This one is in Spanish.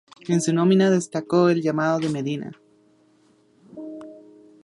En su nómina destacó el llamado de Medina.